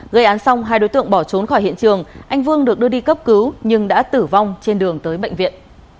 gây án xong hai đối tượng bỏ trốn khỏi hiện trường anh vương được đưa đi cấp cứu nhưng đã tử vong trên đường tới bệnh viện